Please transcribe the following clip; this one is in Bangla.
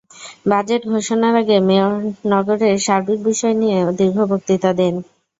বাজেট ঘোষণার আগে মেয়র নগরের সার্বিক বিষয় নিয়ে দীর্ঘ বক্তৃতা দেন।